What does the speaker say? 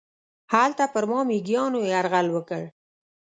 هلته پر ما میږیانو یرغل وکړ.